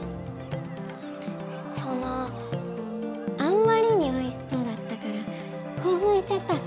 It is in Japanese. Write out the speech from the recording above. そのあんまりにおいしそうだったからこうふんしちゃった！